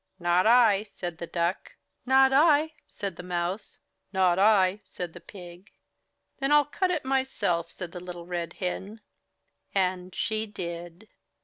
"Not I,'' said the Duck. 'Not I,*' said the Mouse. Not I," said the Pig. 'Then Til cut it myself,'' said Little Red Hen. And she did.